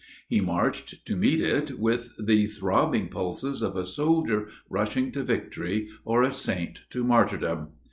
He marched to meet it with the throbbing pulses of a soldier rushing to victory or a saint to martyrdom.